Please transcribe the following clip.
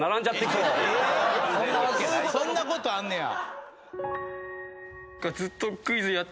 そんなことあんねや。